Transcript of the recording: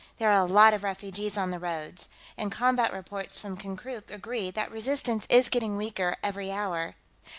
"There are a lot of refugees on the roads. And combat reports from Konkrook agree that resistance is getting weaker every hour....